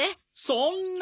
そんな！